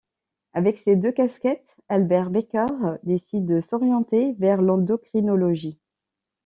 Avec ces deux casquettes, Albert Beckers décide de s’orienter vers l’endocrinologie.